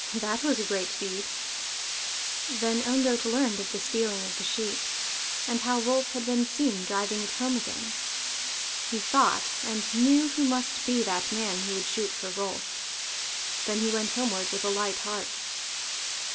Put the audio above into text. That was a great deed!" Then Ondott learned of the stealing of the sheep, and how Rolf had been seen driving it home again. He thought, and knew who must be that man who would shoot for Rolf. Then he went homeward with a light heart.